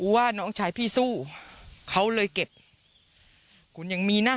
ว่าน้องชายพี่สู้เขาเลยเก็บคุณยังมีนะ